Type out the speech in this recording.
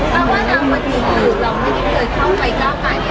ถ้าว่าน้ำมันอยู่หรือเราไม่ได้เกิดเข้าไปกล้าขนาดนี้